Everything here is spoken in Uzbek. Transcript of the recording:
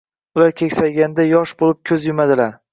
Ular keksayganda yosh bo’lib ko’z yumadilar.